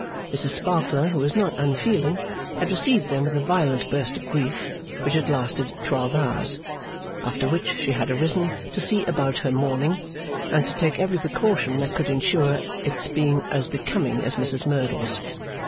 Mrs Sparkler, who was not unfeeling, had received them with a violent burst of grief, which had lasted twelve hours; after which, she had arisen to see about her mourning, and to take every precaution that could ensure its being as becoming as Mrs Merdle's.